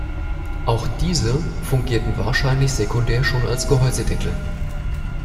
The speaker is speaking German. Auch diese fungierten wahrscheinlich sekundär schon als Gehäusedeckel.